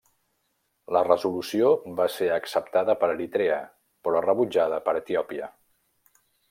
La resolució va ser acceptada per Eritrea, però rebutjada per Etiòpia.